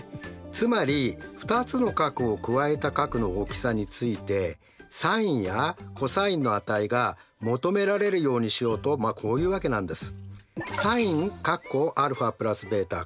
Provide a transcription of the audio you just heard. つまり２つの角を加えた角の大きさについてｓｉｎやｃｏｓの値が求められるようにしようとまあこういうわけなんです。